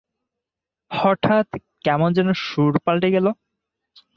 হঠাৎ কেমন যেনো সুর পাল্টে গেল?